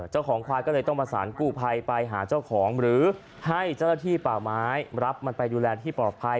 เจ้าของควายก็เลยต้องประสานกู้ภัยไปหาเจ้าของหรือให้เจ้าหน้าที่ป่าไม้รับมันไปดูแลที่ปลอดภัย